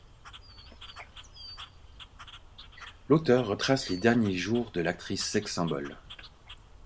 L'auteur retrace les derniers jours de l'actrice sex-symbol.